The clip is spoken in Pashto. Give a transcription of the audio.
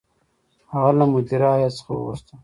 هغه له مدیره هیات څخه وغوښتل.